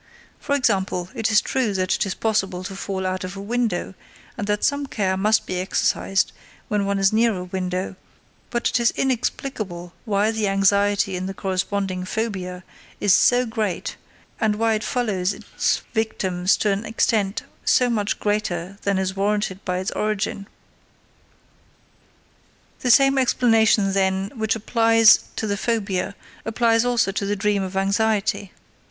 For example, it is true that it is possible to fall out of a window, and that some care must be exercised when one is near a window, but it is inexplicable why the anxiety in the corresponding phobia is so great, and why it follows its victims to an extent so much greater than is warranted by its origin. The same explanation, then, which applies to the phobia applies also to the dream of anxiety.